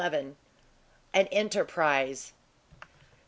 AN ENTERPRISE.